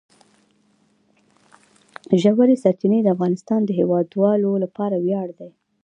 ژورې سرچینې د افغانستان د هیوادوالو لپاره ویاړ دی.